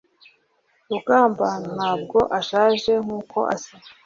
rugamba ntabwo ashaje nkuko asa